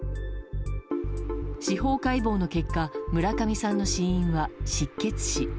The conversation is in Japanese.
司法解剖の結果村上さんの死因は失血死。